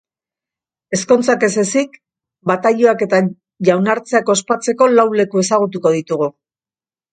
Ezkontzak ez ezik, bataioak eta jaunartzeak ospatzeko lau leku ezagutuko ditugu.